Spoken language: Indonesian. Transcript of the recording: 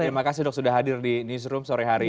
terima kasih dok sudah hadir di newsroom sore hari ini